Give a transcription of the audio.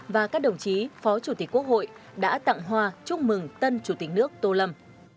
và các đồng chí phó chủ tịch quốc hội đã tặng hoa chúc mừng tân chủ tịch nước tô lâm